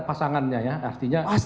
pasangannya ya artinya